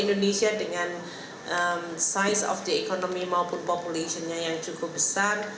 indonesia dengan size of the economy maupun populationnya yang cukup besar